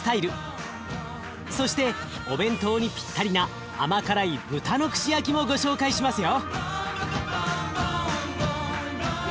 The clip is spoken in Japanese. そしてお弁当にぴったりな甘辛い豚の串焼きもご紹介しますよ。